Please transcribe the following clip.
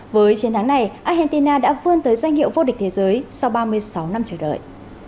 với chiến thắng này argentina đã vươn tới danh hiệu vô địch thế giới sau ba mươi sáu năm chờ đợi